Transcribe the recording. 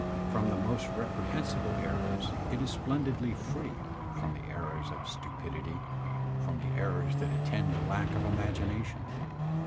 From the most repre hensible errors it is splendidly free, from the errors of stupid ity, from the errors that attend a lack of imagination.